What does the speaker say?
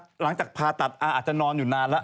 หลังจากผ่าตัดอาจจะนอนอยู่นานแล้ว